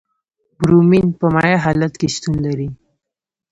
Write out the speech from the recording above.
برومین په مایع حالت کې شتون لري.